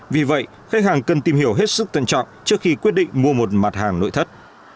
vì vậy khách hàng cần tìm hiểu hết sức thận trọng trước khi quyết định mua một mặt hàng nội thất